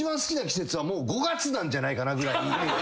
なんじゃないかなぐらい。